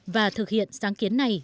và thực hiện sáng kiến này